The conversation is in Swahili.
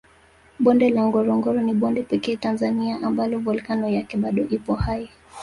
Bonde la Ngorongoro ni bonde pekee Tanzania ambalo volkano yake bado ipo hai